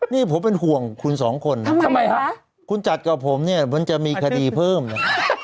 นี่ผมเป็นห่วงคุณสองคนคุณจัดกับผมมันจะมีคดีเพิ่มน่ะ